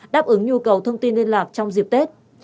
đáp ứng nhu cầu thông tin liên lạc trong dịp tết